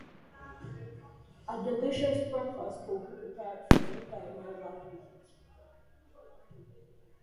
A delicious breakfast will be prepared for me by my loved ones.